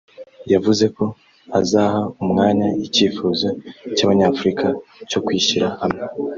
yavuze ko azaha umwanya icyifuzo cy’Abanyafurika cyo kwishyira hamwe